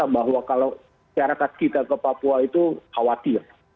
bahwa kalau syarikat kita ke papua itu khawatir